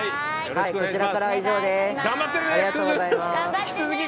こちらからは以上です。